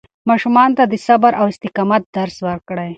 ماشومانو ته د صبر او استقامت درس ورکړئ.